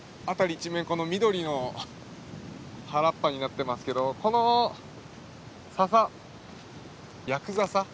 一面この緑の原っぱになってますけどこのササヤクザサ。